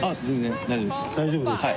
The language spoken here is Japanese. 大丈夫ですか？